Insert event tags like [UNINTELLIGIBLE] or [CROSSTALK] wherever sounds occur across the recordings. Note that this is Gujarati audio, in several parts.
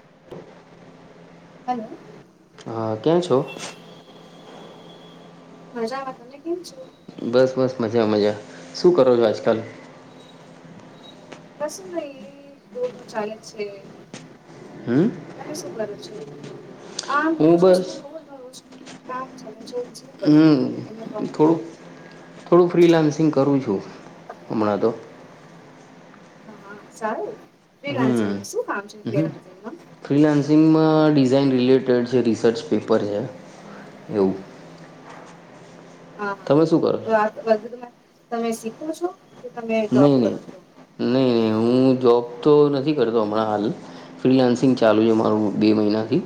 [INAUDIBLE] હલો. હા ક્યાં છો. મજા આવે તમને કેમ છો. બસ બસ મજા મજા શું કરો છો આજકાલ. કશું નહી રોજું ચાલે જ છે હમ તમે શું કરો છો. આમ હું રોજ વષ બસ રોજ ના રોજ કામ ચા છે. શું કરીએ હમ તમે કહો થોડું થોડું ફ્રીલાન્સિંગ કરું છું. હમણા તો. હા હા સારું તે હમ રાજીમાં શું કામ છે ત હમ રાજીમાં. ફ્રીલાન્સિંગમાં ડિઝાઇન રિલેટેડ જે રિસર્ચ પેપર છે. એવું. હા તમે શું કરો છો હા તો આ તમે તમે શીખો છો. કે તમે જોબ નહીં નહીં કરો છો. નહીં નહીં હું જોબ તો નથી કરતો હમણાં હાલ. ફ્રીલાન્સિંગ ચાલુ છે મારું બે મહિનાથી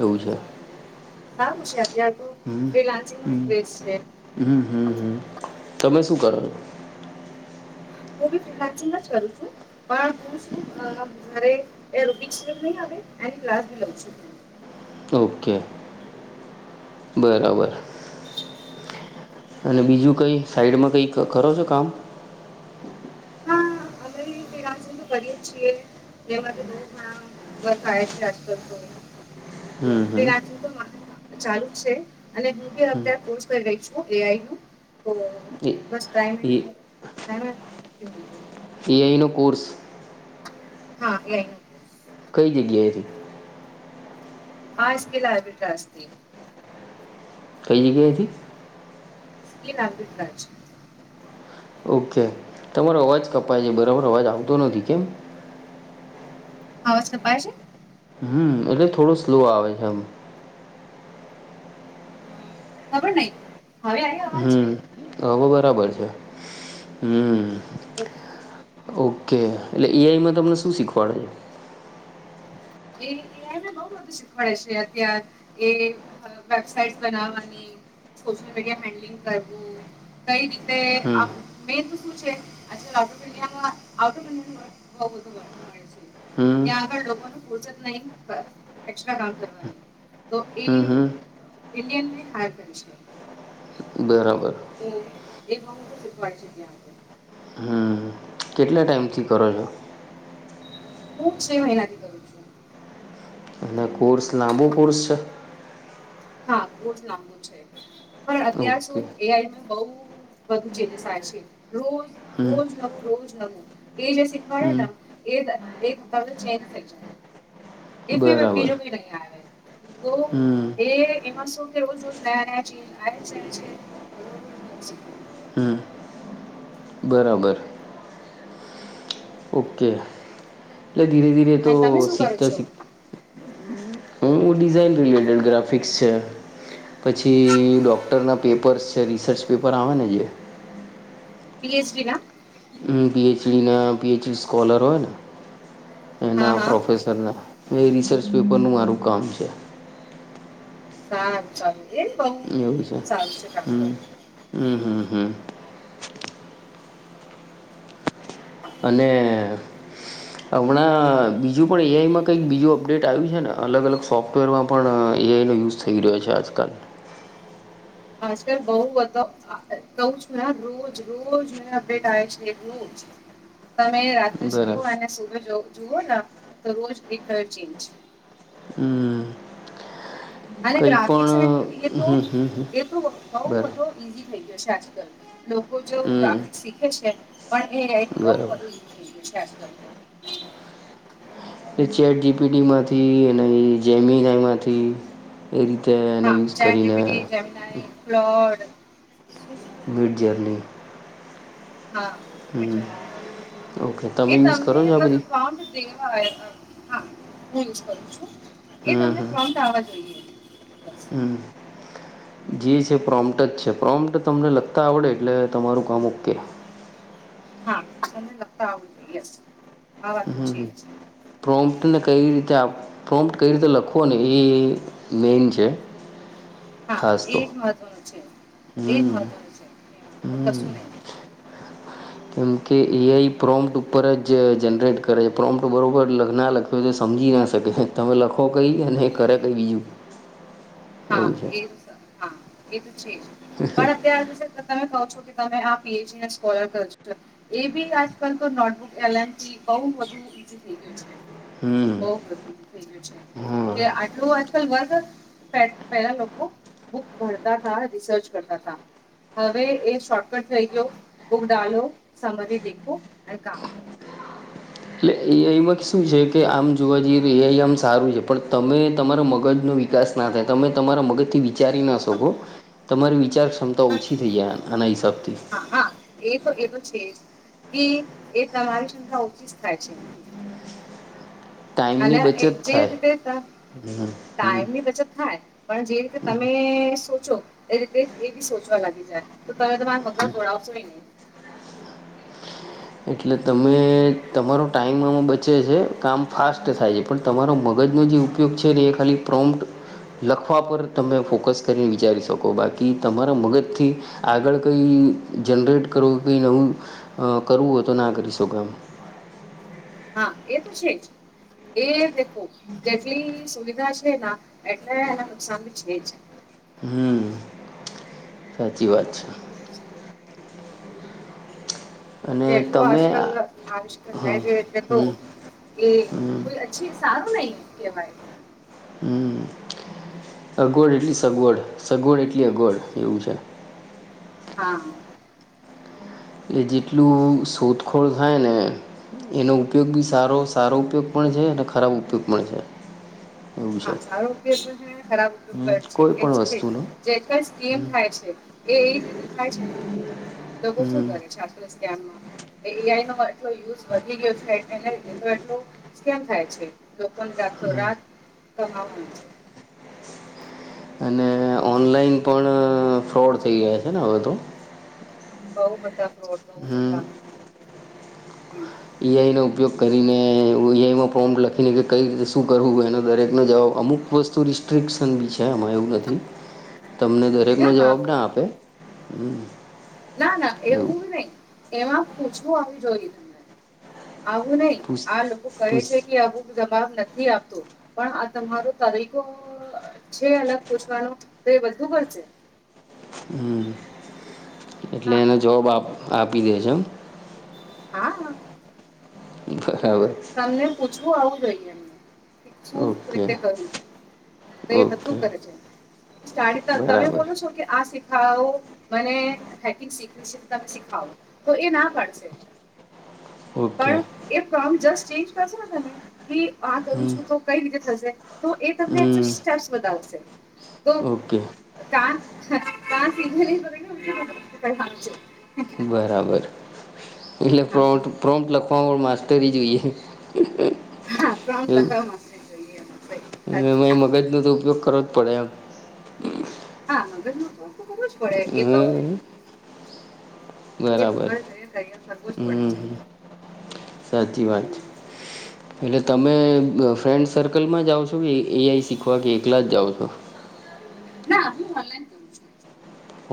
એવું છે. હા ખુશાલ. હમ હમ હમ હમ હમ. તમે શું કરો છો. હું બી ફ્રીલાન્સિંગ જ કરું છું પણ હું શું અ ઘરે રૂબિક્સ નહી આ એન્ડ ક્લાસ લઉં છું. ઓકે બરાબર. અને બીજું કંઈ સાઈડમાં કંઈ કરો છો કામ. હા અમે ફ્રીલાન્સિંગ તો કરીએ છીએ. એમાંથી બહુ ઘણા વર્ક આયા છે આજકાલ તો હમ તે હમ રાખ્યું તો. ચાલુ છે અને હું બી અત્યારે કોર્સ કરી રહી છું એઆઈ નું તો. એ બસ ટાઈમ એ નહી હેણે. એઆઈનું કોર્સ. હા એઆઈ. કઈ જગ્યાએથી. હાજ કે લાઈબ ટાસ્થી. કઈ જગ્યાએથી. સ્કીન આરબિટ રાજ. ઓકે તમારો અવાજ કપાય છે બરાબર અવાજ આવતો નથી કેમ. અવાજ કપાય છે. હમ એટલે થોડો સ્લો આવે છે એમ. હા. ખબર નહીં હવે આયો અવાજ. તો બરાબર છે. હમ્મ ઓ ઓકે એઆઈમાં તમને શું શીખવાડે છે? એ એ આઈને બહ બધું શીખવાડે છે અત્યાર એ વેબસાઇટ બનાવવાની સોશિયલ મીડિયા હેન્ડલિંગ કરવું કઈ રીતે મેન તો શું છે [UNINTELLIGIBLE] છે ત્યાં હમ આગળ લોકોનું [UNINTELLIGIBLE] એક્સ્ટ્રા કામ કરવાની તો એ હમ હમ ઇન્ડિયનની હાયર પેન્શન બરાબર. તો એ બાબતો શીખવાડે છે હમ કેટલા ટાઈમથી કરો છો? હું છે મહિનાથી કરું છું. અને કોર્સ લાંબો કોર્સ છે? હા કોર્સ લાંબુ છે પણ અત્યાર ઓકે સુું એઆઈ નું બવ વધુ ચેન્જસાય છે રોજ હમ રોજ નવું રોજ નવું એ જે હમ શીખવાડે ને એક હપ્તા ચેન્જ થઈ જાય બરાબર બીજુ નહી આવે તો હમ એ એમાં શું કે રોજ રોજ નયા ચેન્જ આવી જાય છે. શીખવું હમ્મ. ઓકે એટલે ધીરે ધીરે તો અને તમે શું કરો શીખતા છો શીખતા હું ડિઝાઇન રીલેટેડ ગ્રાફિક્સ છે. પછી ડોક્ટરના પેપર્સ છે રિસર્ચ પેપર આવે ને જે પી એચ ડી ના હમ્મ પીએચડી ના પીએચડી સ્કોલર હોય ને હા એના હા પ્રોફેસર ના એ એ રિસર્ચ પેપરનું મારું કામ છે. સારું ચાલ એ બહ એવું છે સાલું છે કામ તો હમ હમ હમ હમ અને હમણાં બીજું પણ એઆઈમાં કંઈક બીજું અપડેટ આવ્યું છે ને અલગ અલગ સોફ્ટવેરમાં પણ એ આઈ નો યુઝ થઈ રહ્યો છે આજકાલ. આજકાલ બઉ બધો કઉ છું રોજ રોજ અપડેટ આવે છે તમે રાતે સુઓ બરાબર અને સુ [UNINTELLIGIBLE] તો રોજ એક નયો ચેન્જ. હમ અને કંઈ ગ્રાફિકસ પણ તો હમ હમ હમ એ તો બઉ બરાબર બધો ઈઝી થઈ જશે આજલ લોકો જો હમ ગ્રાફિકસ શીખે છે પણ એ આઈ બધું બરાબર હિખી રિયા છે આજકાલ લોકો [INAUDIBLE] એ ચેટ જી પી ટીમાંથી એની જેમિંનાઈમાંથી એ રીતે એનો હા યુઝ ચેટ કરીને જીપીટી જેમિનાઈ ક્લોડ [UNINTELLIGIBLE] જેમની હા ઓકે [UNINTELLIGIBLE] એ તમે યુઝ તમને કરો છો આ બસ બધી [UNINTELLIGIBLE] હા હું યુઝ કરું છું એ તમને પ્રોમ્પટ આવવા જોઈએ. બસ હમ્મ. જે છે પ્રોમ્પ્ટ જ છે પ્રોમ્પ્ટ તમને લગતા આવડે એટલે તમારું કામ ઓકે. હા તમને લકતા આવું જોઈએ યસ આ વાત તો હમ છે હમ જ. પ્રોમ્પ્ટને કઈ રીતે પ્રોમ્પ્ટ કઈ રીતે લખો ને એ મેન છે. હા ખાસ તો એજ મહત્વનું છે. એજ હમ મહત્વનું છે. કસું નહી એમ કે એઆઈ પ્રોમપ્ટ ઉપર જ જનરેટ કરે છે. પ્રોમપ્ટ બરોબર લગ્ન ના લખ્યું તો સમજી ના શકે છે. તમે લખો કઈ અને એ કરે કઈ બીજું હા એવું છે એ સર હા એ તો છે જ પણ અત્યાર તમે કહો છો કે તમે આ પીએચડીને સ્કોલર કરો એ બી આજકાલ તો નોટબુક એલનજી બઉ બધુ ઈઝી થઈ ગયું છે. હમ બોવ [UNINTELLIGIBLE] થઈ ગયું છે હા કે આટલૂ આજકાલ વર્ક પેલા લોકો બુક ભણતા તા રિસર્ચ કરતા હતા હવે એ શોર્ટકટ થઈ ગયો, બુક ડાલો સમરિ દેખો અને કામ કરો. [INAUDIBLE] એ. આઈ. માં તો શું છે કે આમ જોવા જઈએ તો એ. આઈ. આમ સારું છે પણ તમે તમારા મગજનો વિકાસ ના તમે તમારા મગજ થી વિચારી ના હા શકો તમારી વિચાર ક્ષમતા ઓછી થઈ જાય આના હિસાબથી. હા હા એ તો એ તો છે જ કે એ તમારી ક્ષમતા ઓછી જ થાય છે. ટાઈમની અને બચત જે થાય રીતે ટા હમ હમ ટાઈમ ની બચત થાય પણ જે રીતે તમે સોચો એ રીતે એ બી સોચવા લાગી જાય, તો તમે તમારા મગજ દોડવ બીજું કાય ની [INAUDIBLE] એટલે તમે તમારો ટાઈમ એમાં બચે છે, કામ ફાસ્ટ થાય છે, પણ તમારો મગજ જનો જે ઉપયોગ છે એ ખાલી પ્રોમ્પ્ટ લખવા પર તમે ફોકસ કરીને વિચારી શકો બાકી તમારા મગજથી આગળ કઈ જનરેટ કરવું કે નવું અ કરવું હોય તો ના કરી શકો એમ. હા એ તો છે જ. એ દેખો જેટલી સુવિધા છે ના એટલે એને નુકસાન બી છે જ. હમ્મ. સાચી વાત છે. એવુ છે. અને જેટલો તમે આજકાલ આ આવિષ્કાર હમ થાય છે એટલે તો હમ એ હમ કોઈ અછી સારું નહી કેવાય. હમ અગવડ એટલી સગવડ સગવડ એટલી અગવડ એવું છે. હા. એ જેટલું શોધખોળ થાય ને એનો ઉપયોગ બી સારો સારો ઉપયોગ પણ છે, અને ખરાબ ઉપયોગ પણ છે. [INAUDIBLE] છે હા સારો ઉપયોગ પણ છે, ખરાબ હમ ઉપયોગ કોઈ પણ છે, વસ્તુનો જે કસ સ્કીમ થાય છે. એ એ જ રીતે થાય છે લોકો શું હમ કરે છે આજકાલ સેક્મમાં. એ. આઈ. નો એટલો યુઝ વધી ગયો છે એટએલ એના લીધે તો એટલો સ્કેમ થાય છે લોકોન જા રાતો રાત કમાવાનું છે. અને ઓનલાઈન પણ ફ્રોડ થઈ ગયા છે ને હવે તો. બઉ બધા. હમ્મ. હમ્મ. એ. આઈ. નો ઉપયોગ કરીને એ. આઈ. માં પોમ્પ લખીને કે કઈ રીતે શું કરવું એનો દરેકનો જવાબ અમુક વસ્તુ રિસ્ટ્રિકશન બી છે. છે એમાં એવું નથી તમને દરેકનો જવાબ ના આપે. ના ના એવું નહી એમાં પૂછવું આવી જોઈએ તમને. આવું નઈ પૂછ આ લોકો કહે પૂછ છે કે આવું જવાબ નથી આપતો પણ આ તમારો તરીકો છે અલગ પૂછવાનું તો એ બધું કરશે. હમ્મ. એટલે હા એનો જવાબ આપ આપી દે છે એમ. હા. બરાબર તમને પૂછવું આવું જોઈએ એમને શું કે ઓકે રીતે કરવું? તો એ બધું ઓકે કરે છે, [UNINTELLIGIBLE] તમે બરાબર બોલો છો કે આ [UNINTELLIGIBLE] મને હેંકિંગ શીખ છે તમે શીખાવો તો એ ના પાડશે. [INAUDIBLE] પણ એ ફ્રોમ જસ્ટ ચેન્જ કરશો ને તમે આ કરું હમ છું તો કઈ રીતે થશે તો એ તમને હમ સ્ટેપ્સ બતાવશે. છે. ઓકે. કા કા સીધા નહી ભને [UNINTELLIGIBLE] આવજો. ભલે. એટલે પ્રો પ્રોન્ટ લખવાવામાં માસ્ટરી જોઈએ. હા પ્રોપ્ટ એવું લખાવવામા માસ્તરી જોઈએ. સહી સાચું એમાં મગજનો તો ઉપયોગ કરવો જ પડે એમ. હા મગજનો તો કરવો જ પડે એ તો હમ એ તો બરાબર હર જગ તય કરવો સરખું પડે હમ છે સાચી વાત છે પેલે તમે ફ્રેન્ડ સર્કલમાં જાઓ છો કે એઆઈ શીખવા કે એકલા જ જાઓ છો ના હું ઓનલાઈન કરું છુ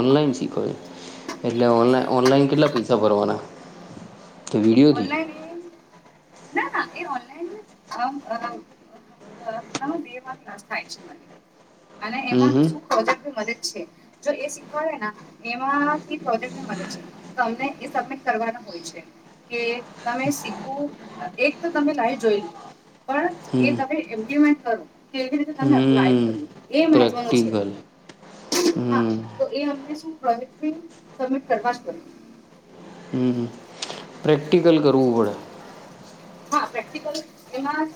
ઓનલાઈન શીખો એટલે યસ ઓન ઓનલાઈન કેટલા પૈસા ભરવાના તે વીડિયોથી ઓનલાઈન એ ના ના એ ઓનલાઈન તમાં બે માં ક્લાસ થાય છે મારી અને હમ એમાં હમ શું પ્રોજેક્ટની મદદ છે જો એ શીખવાડેના એમાંથી પ્રોજેક્ટનું મલે છે ઓનલાઇન એ સબમિટ કરવાનું હોય છે. કે તમે શીખવું એક તો તમે લાઈવ જોઈ પણ એ હમ તમે એમ્પ્લીમેન્ટ કરો કેવી રીતે તમે એપ્લાય હમ કર્યું. એ મહેત્વનું છે. પ્રેક્ટિકલ હા હમ તો એ અમને શું પ્રોજેક્ટ બી સબમિટ કરવા જ પડે. હમ હમ પ્રેક્ટિકલ કરવું પડે. હા પ્રેક્ટિકલ એમાં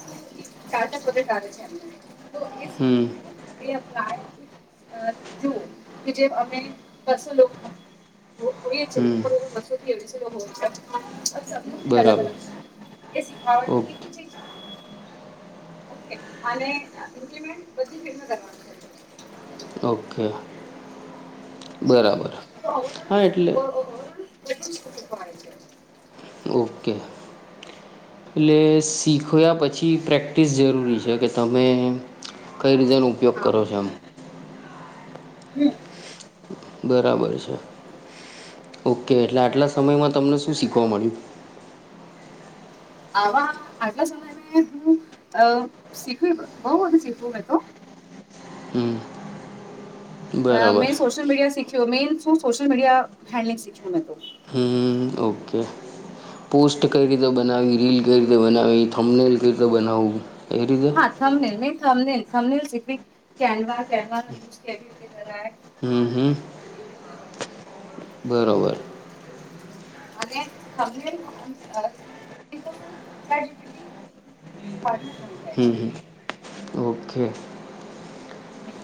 ચાર ચાર વખત આવે છે એમને તો એ હમ શીખીને એ એપ્લાય અ જુઓ કે જે અમે બસો લોકો હોય હોય જ છે હમ પણ એ બસ્સોથી અઢીસો લોગ હોય છે અબ સબની રીત અલગ બરાબર અલગ એ સીખવાડ ઓકે પછી કેછે ઓકે અને ઈપ્લિમેન્ટ બધી ફ્રેમમાં કરવાનું છે. ઓકે. હમ. હ એટલે [UNINTELLIGIBLE] ઓકે એટલે શીખ્યા પછી ની પ્રેક્ટિસ જરૂરી છે કે તમે કઈ રીતેનો ઉપયોગ હા કરો છો આમ. હમ. બરાબર છે. ઓકે એટલે આટલા સમયમાં તમને શું શીખવા મળ્યું? આવા આટલા સમય મે હું અ શીખવી બઉ બધું શીખ્યું મે તો [INAUDIBLE] અ બરાબર મેં સોશલ મીડિયા સીખ મેન શું સોશિયલ મીડિયા હેન્ડલિંગ શીખ્યું મેં તો હમ ઓકે પોસ્ટ કઈ રીતે બનાવી રીલ કઈ રીતે બનાવી થમણેલ કઈ રીતે બનાવું? હા થમનેલ ને થમનેલ થમનેલ શીખવી કેન્વા કેન્વાનો યુઝ કેવી રીતે કરાય? હમ અને હમ. થમનેલ કેવી રીતે બનાય બરાબર અને [UNINTELLIGIBLE] ચેટ જીપીટી [UNINTELLIGIBLE] જાય હમ હમ છે ઓકે હમ.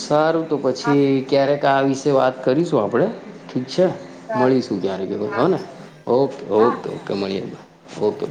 સારું તો હું આ પછી શીખી ક્યારેક આ વિશે વાત કરીશુ આપડે છે સારું મળીશુ ક્યારેક એતો સારું હોને. સારું ઓકે હા ઓકે તો સારું મડીએ સારું ઓકે.